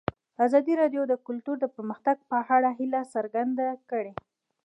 ازادي راډیو د کلتور د پرمختګ په اړه هیله څرګنده کړې.